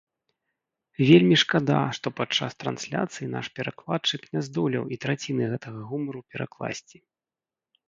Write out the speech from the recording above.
Вельмі шкада, што падчас трансляцыі наш перакладчык не здолеў і траціны гэтага гумару перакласці.